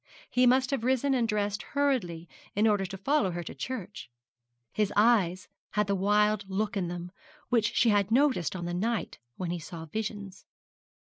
He must have risen and dressed hurriedly in order to follow her to church. His eyes had the wild look in them which she had noticed on the night when he saw visions.